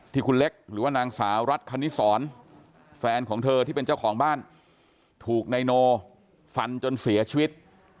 ที่คุณเล็กหรือว่านางสาวรัฐคณิสรแฟนของเธอที่เป็นเจ้าของบ้านถูกนายโนฟันจนเสียชีวิต